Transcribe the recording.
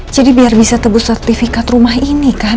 jadi biar bisa tebus sertifikat rumah ini kan